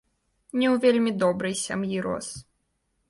Не ў вельмі добрай сям'і рос.